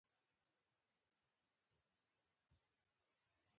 دوی لکه د بیت المقدس ښار د دیوالونو زخمي زخمي دي.